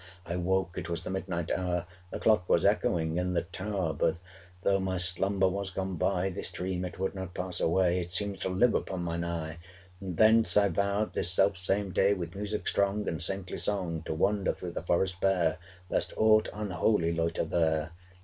I woke; it was the midnight hour, 555 The clock was echoing in the tower; But though my slumber was gone by, This dream it would not pass away It seems to live upon my eye! And thence I vowed this self same day 560 With music strong and saintly song To wander through the forest bare, Lest aught unholy loiter there.'